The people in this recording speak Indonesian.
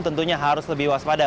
tentunya harus lebih waspada